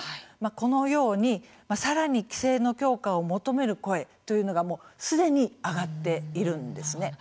このようにさらに規制の強化を求める声というのがすでに上がっているんです。